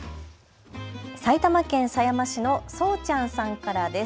埼玉県狭山市のそうちゃんさんからです。